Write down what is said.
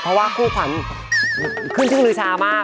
เพราะว่าคู่ขวัญขึ้นชื่อลือชามาก